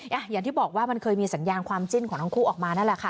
อย่างที่บอกว่ามันเคยมีสัญญาณความจิ้นของทั้งคู่ออกมานั่นแหละค่ะ